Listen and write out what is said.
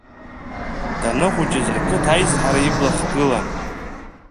Даныхәыҷыз рқыҭа аизҳара ибла ихгылан.